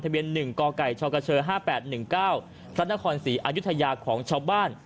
ทะเบียนหนึ่งกกชกห้าแปดหนึ่งเก้าสรรคอนสีอายุทยาของชาวบ้าน